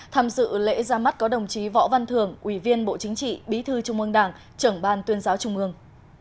tham dự lễ ra mắt có đồng chí võ văn thường ủy viên bộ chính trị bí thư trung ương đảng trưởng ban tuyên giáo trung ương